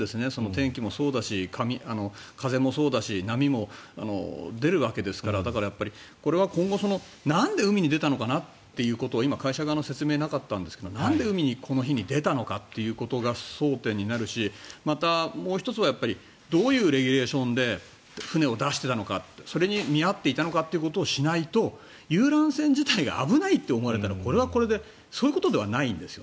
天気もそうだし風もそうだし波も出るわけですからだからこれは今後、なんで海に出たのかなっていうことを今、会社側の説明がなかったんですがなんで海にこの日に出たのかということが争点になるしまた、もう１つはどういうレギュレーションで船を出してたのかってそれに見合っていたのかってことをしないと遊覧船自体が危ないと思われたらこれはこれでそういうことではないんです。